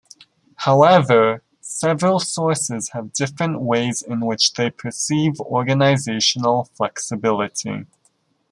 However, several sources have different ways in which they perceive organizational flexibility.